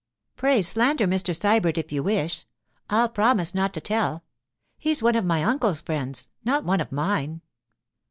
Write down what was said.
'Pray slander Mr. Sybert if you wish—I'll promise not to tell. He's one of my uncle's friends, not one of mine.